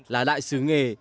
là đại sứ nghề